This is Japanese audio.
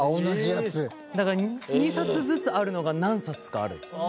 だから２冊ずつあるのが何冊かある。